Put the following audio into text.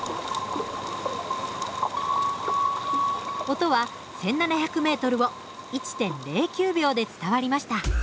音は１，７００ｍを１．０９秒で伝わりました。